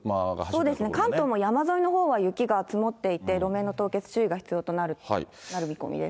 関東も山沿いのほうは雪が積もっていて、路面の凍結、注意が必要となる見込みです。